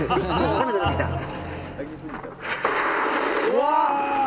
うわ！